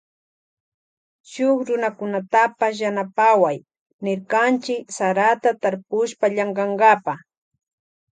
Shuk runakunatapash yanapaway nirkanchi sarata tarpushpa llankankapa.